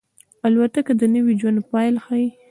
الوتکه د نوي ژوند پیل ښيي.